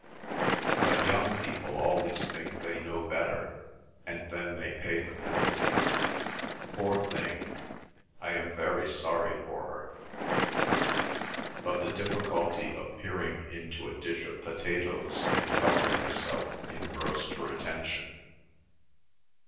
... But young people always think they know better, and then they pay the penalty. Poor thing—I am very sorry for her." But the difficulty of peering into a dish of potatoes and helping herself engrossed her attention.